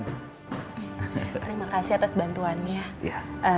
terima kasih atas bantuannya